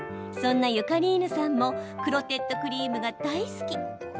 そんな、ゆかりーぬさんもクロテッドクリームが大好き。